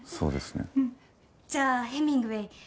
じゃあヘミングウェイ。